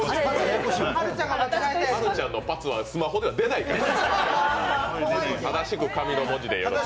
はるちゃんのパツはスマホでは出ないから。